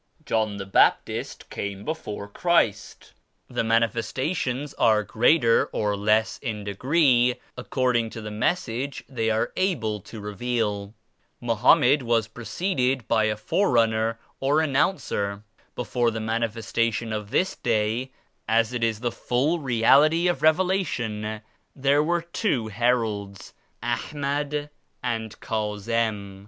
John the Baptist came before the Christ. The Manifestations are greater or less in degree according to the Message they arc able to reveal. Mohammed was preceded by a Forerunner or Announcer. Before the Manifes tation of this Day, as it is the full Reality of Reve lation, there were two Heralds, Ahmad and Ka zim.